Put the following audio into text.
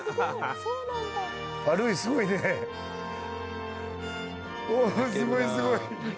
すごいすごい。